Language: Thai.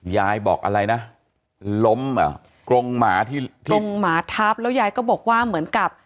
ยายบอกอะไรนะล้มเหรอกรงหมาที่กรงหมาทับแล้วยายก็บอกว่าเหมือนกับ